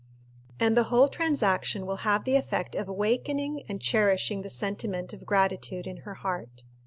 And the whole transaction will have the effect of awakening and cherishing the sentiment of gratitude in her heart.